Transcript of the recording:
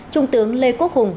trung tướng lê quốc hùng